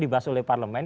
dibahas oleh parlement